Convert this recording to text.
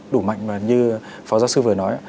đủ mạnh như phó giáo sư vừa nói